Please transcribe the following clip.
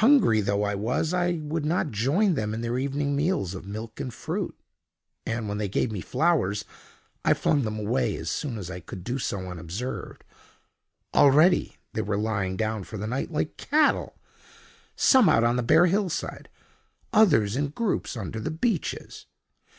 Hungry though I was, I would not join them in their evening meals of milk and fruit, and, when they gave me flowers, I flung them away as soon as I could do so unobserved. Already they were lying down for the night like cattle—some out on the bare hillside, others in groups under the beeches.